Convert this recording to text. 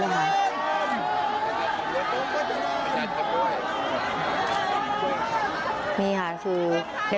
น้องพระเจริญก็ถึง